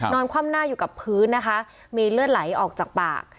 คว่ำหน้าอยู่กับพื้นนะคะมีเลือดไหลออกจากปาก